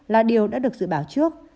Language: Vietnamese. là điều đã được dự báo trước